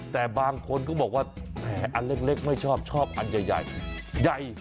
แต่บางคนก็บอกว่าแหมอันเล็กไม่ชอบชอบอันใหญ่ใหญ่